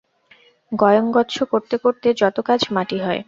গয়ং গচ্ছ করতে করতে যত কাজ মাটি হয়।